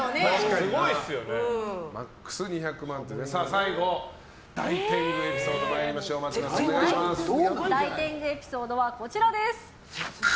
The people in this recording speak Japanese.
最後、大天狗エピソード大天狗エピソードはこちらです。